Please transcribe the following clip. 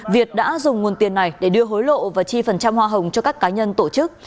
việt đã dùng nguồn tiền này để đưa hối lộ và chi phần trăm hoa hồng cho các cá nhân tổ chức